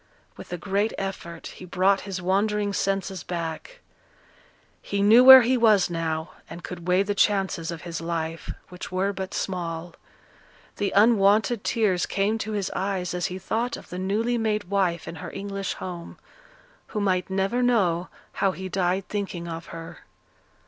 With a great effort he brought his wandering senses back; he knew where he was now, and could weigh the chances of his life, which were but small; the unwonted tears came to his eyes as he thought of the newly made wife in her English home, who might never know how he died thinking of her.